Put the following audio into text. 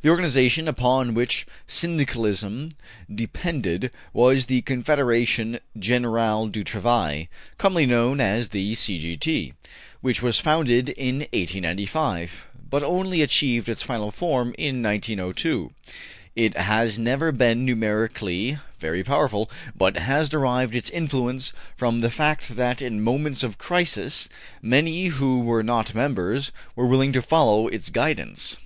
The organization upon which Syndicalism de pended was the Confederation Generale du Travail, commonly known as the C. G. T., which was founded in 1895, but only achieved its final form in 1902. It has never been numerically very powerful, but has derived its influence from the fact that in moments of crisis many who were not members were willing to follow its guidance.